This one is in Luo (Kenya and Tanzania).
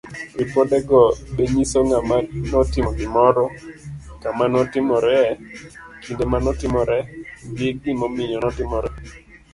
Ripodego be nyiso ng'ama notimo gimoro, kama notimree, kinde manotimore, gi gimomiyo notimore.